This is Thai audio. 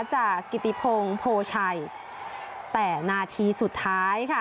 กิติพงศ์โพชัยแต่นาทีสุดท้ายค่ะ